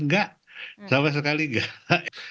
tidak sama sekali tidak